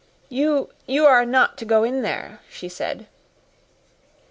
"You you are not to go in there," she said.